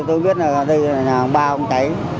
tôi biết là đây là nhà hàng ba không cháy